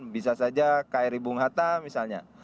bisa saja kri bung hatta misalnya